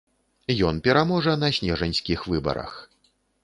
Ён пераможа на снежаньскіх выбарах.